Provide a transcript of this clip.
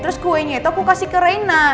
terus kuenya itu aku kasih ke reina